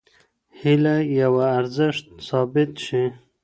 هيله يوه: ارزښت ثابت شي.